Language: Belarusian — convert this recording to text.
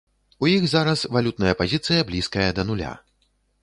У іх зараз валютная пазіцыя блізкая да нуля.